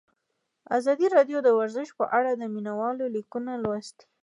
ازادي راډیو د ورزش په اړه د مینه والو لیکونه لوستي.